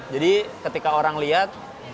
jadi ketika orang lihat